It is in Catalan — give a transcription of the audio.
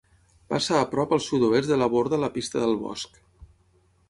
Passa a prop al sud-oest de la borda la Pista del Bosc.